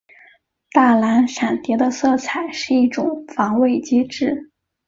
大蓝闪蝶的色彩是一种防卫机制。